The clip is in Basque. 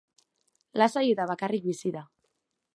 Lasai eta bakarrik bizi da.